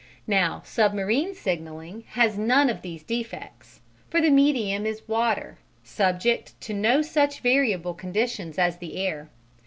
Now, submarine signalling has none of these defects, for the medium is water, subject to no such variable conditions as the air.